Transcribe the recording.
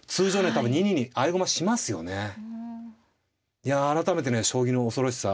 いや改めてね将棋の恐ろしさ。